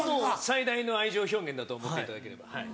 最大の愛情表現だと思っていただければはい。